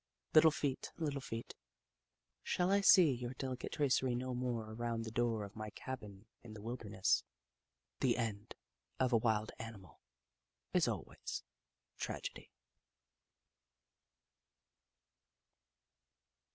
Little feet, little feet, shall I see your deli cate tracery no more around the door of my cabin in the wilderness ? The end of a wild animal is always a tragedy.